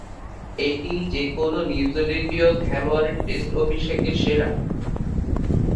এটিই যে-কোন নিউজিল্যান্ডীয় খেলোয়াড়ের টেস্ট অভিষেকে সেরা।